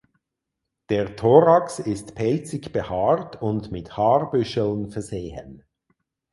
Der Thorax ist pelzig behaart und mit Haarbüscheln versehen.